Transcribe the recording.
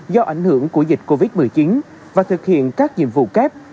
do ảnh hưởng của dịch covid một mươi chín và thực hiện các nhiệm vụ kép